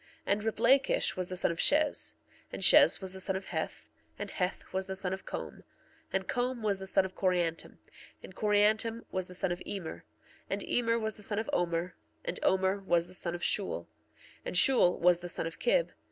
1:24 And Riplakish was the son of Shez. 1:25 And Shez was the son of Heth. 1:26 And Heth was the son of Com. 1:27 And Com was the son of Coriantum. 1:28 And Coriantum was the son of Emer. 1:29 And Emer was the son of Omer. 1:30 And Omer was the son of Shule. 1:31 And Shule was the son of Kib.